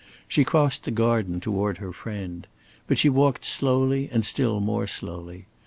She crossed the garden toward her friend. But she walked slowly and still more slowly.